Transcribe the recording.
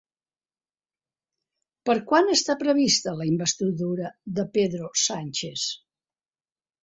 Per quan està prevista la investidura de Pedro Sánchez?